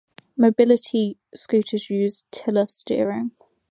Mobility scooters use tiller steering.